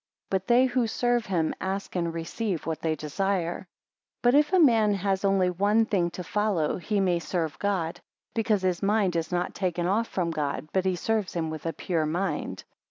But they who serve him, ask and receive what they desire. 8 But if a man has only one thing to follow, he may serve God, because his mind is not taken off from God, but he serves him with a pure mind.